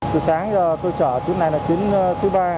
từ sáng giờ tôi chở chuyến này là chuyến thứ ba